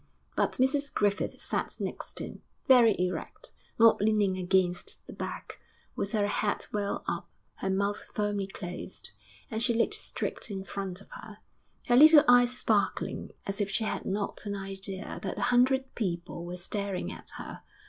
But Mrs Griffith sat next him, very erect, not leaning against the back, with her head well up, her mouth firmly closed, and she looked straight in front of her, her little eyes sparkling, as if she had not an idea that a hundred people were staring at her.